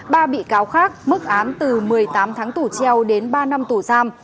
ba bị cáo khác mức án từ một mươi tám tháng tù treo đến ba năm tù giam